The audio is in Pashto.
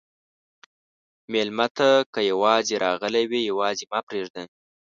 مېلمه ته که یواځې راغلی وي، یواځې مه پرېږده.